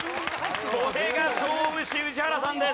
これが勝負師宇治原さんです。